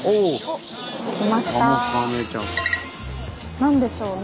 何でしょうね？